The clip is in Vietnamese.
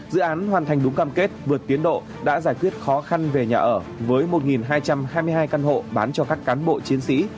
dự án hoàn thành đúng cam kết vượt tiến độ đã giải quyết khó khăn về nhà ở với một hai trăm hai mươi hai căn hộ bán cho các cán bộ chiến sĩ